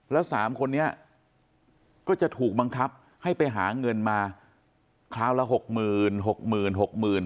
แล้วสามคนนี้ก็จะถูกบังคับให้ไปหาเงินมาคราวละหกหมื่นหกหมื่นหกหมื่น